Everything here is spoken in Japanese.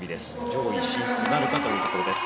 上位進出なるかというところです。